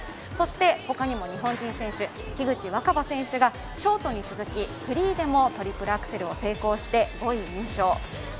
そして他にも日本人選手、樋口新葉選手がショートに続きフリーでもトリプルアクセルを成功して５位入賞。